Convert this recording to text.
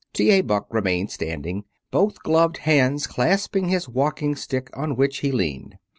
T. A. Buck remained standing, both gloved hands clasping his walking stick on which he leaned.